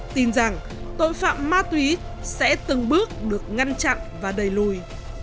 tin rằng tội phạm ma túy sẽ từng bước được ngăn chặn và đẩy lùi